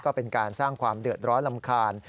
ก็เป็นการสร้างความเดือดร้อนรำคาญ